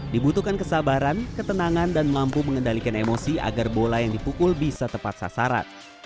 dibutuhkan kesabaran ketenangan dan mampu mengendalikan emosi agar bola yang dipukul bisa tepat sasaran